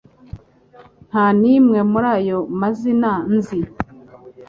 Nta n'imwe muri ayo mazina nzi